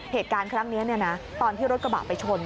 เหตุการณ์ครั้งนี้ตอนที่รถกระบะไปชน